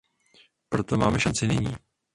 Proto máme šanci nyní.